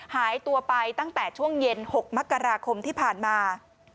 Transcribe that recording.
หายตัวไปตั้งแต่ช่วงเย็น๖มกราคมที่ผ่านมา